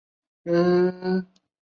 白铅铝矿是一种罕见的碳酸铝矿物。